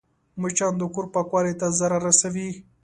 مچان د کور پاکوالي ته ضرر رسوي